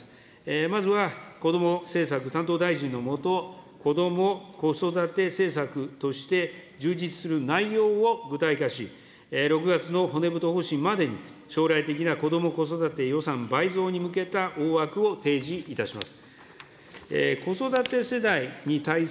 まずはこども政策担当大臣のもと、こども・子育て政策として充実する内容を具体化し、６月の骨太方針までに、将来的なこども・子育て予算倍増に向けた大枠を提示いたします。